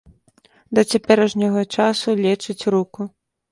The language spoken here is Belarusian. Да цяперашняга часу лечыць руку.